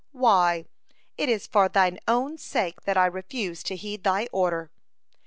Why, it is for thine own sake that I refuse to heed they order.